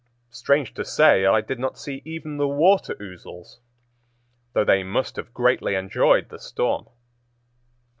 Strange to say, I did not see even the water ouzels, though they must have greatly enjoyed the storm.